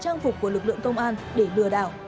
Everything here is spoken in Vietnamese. trang phục của lực lượng công an để lừa đảo